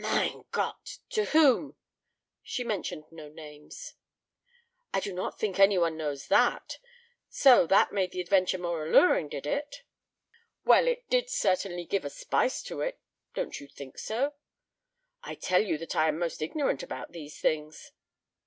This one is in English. "Mein Gott! To whom?" "She mentioned no names." "I do not think that anyone knows that. So that made the adventure more alluring, did it?" "Well, it did certainly give a spice to it. Don't you think so?" "I tell you that I am very ignorant about these things."